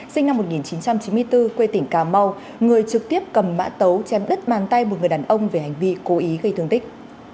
sinh năm một nghìn chín trăm chín mươi bốn quê tỉnh cà mau người trực tiếp cầm mã tấu chém đứt bàn tay một người đàn ông về hành vi cố ý gây thương tích